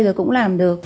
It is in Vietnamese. rồi cũng làm được